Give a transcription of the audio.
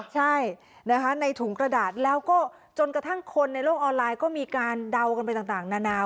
ใช่นะคะในถุงกระดาษแล้วก็จนกระทั่งคนในโลกออนไลน์ก็มีการเดากันไปต่างนานา